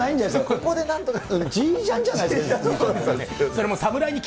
ここでなんとか、Ｇジャンじゃないですか。